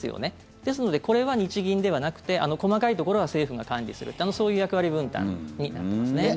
ですので、これは日銀ではなくて細かいところは政府が管理するそういう役割分担になってますね。